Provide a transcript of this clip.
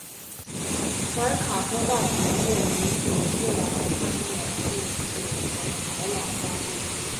怀卡托大学位于纽西兰汉密尔顿市和陶朗加地区。